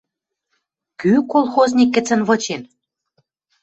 «Кӱ колхозник гӹцӹн вычен